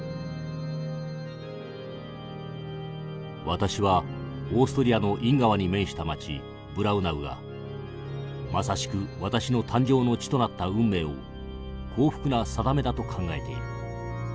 「私はオーストリアのイン川に面した町ブラウナウがまさしく私の誕生の地となった運命を幸福な定めだと考えている。